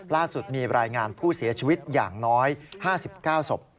ล่าสุดมีรายงานผู้เสียชีวิตอย่างน้อย๕๙ศพ